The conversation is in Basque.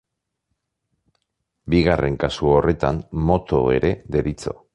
Bigarren kasu horretan moto ere deritzo.